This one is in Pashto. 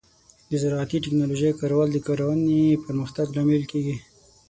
د زراعتي ټیکنالوجۍ کارول د کرنې پرمختګ لامل کیږي.